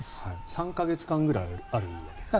３か月間くらいあるわけですね。